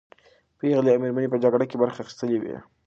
پېغلې او مېرمنې په جګړه کې برخه اخیستلې وې.